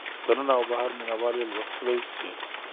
دننه او بهر مینه وال یې لوستلی شي.